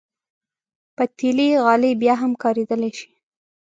پتېلي غالۍ بیا هم کارېدلی شي.